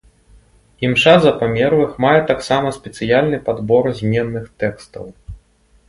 Імша за памерлых мае таксама спецыяльны падбор зменных тэкстаў.